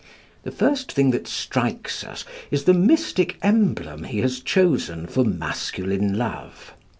The first thing that strikes us is the mystic emblem he has chosen for masculine love.